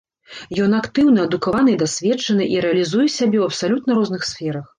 Ён актыўны, адукаваны і дасведчаны, і рэалізуе сябе ў абсалютна розных сферах.